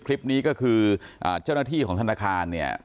คลิปนี้ก็คือเจ้าหน้าที่ของธนาคารเนี่ย